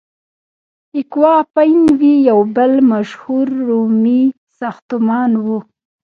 اکوا اپین وی یو بل مشهور رومي ساختمان و.